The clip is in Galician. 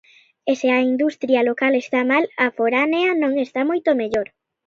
E se a industria local está mal, a foránea non está moito mellor.